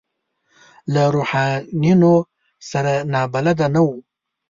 له روحانیونو سره نابلده نه وو.